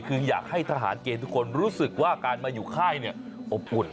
คืออยากให้ทหารเกณฑ์ทุกคนรู้สึกว่าการมาอยู่ค่ายอบอุ่น